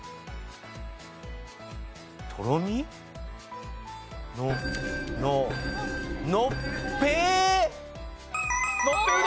とろみ？のののっぺい？